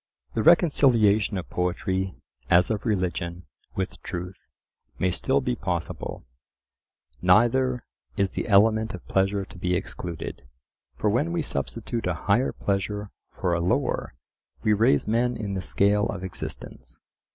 The reconciliation of poetry, as of religion, with truth, may still be possible. Neither is the element of pleasure to be excluded. For when we substitute a higher pleasure for a lower we raise men in the scale of existence.